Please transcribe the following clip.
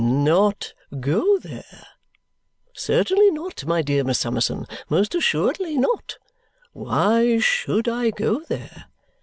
"Not go there? Certainly not, my dear Miss Summerson, most assuredly not. Why SHOULD I go there?